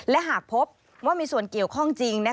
และหากพบว่ามีส่วนเกี่ยวข้องจริง